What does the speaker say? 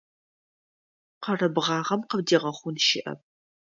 Къэрэбгъагъэм къыбдигъэхъун щыӏэп.